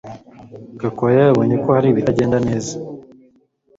Gakwaya yabonye ko hari ibitagenda neza